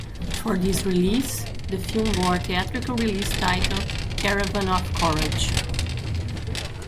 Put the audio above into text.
For this release, the film bore theatrical release title, "Caravan of Courage".